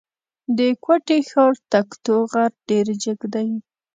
د کوټي ښار تکتو غر ډېر جګ دی.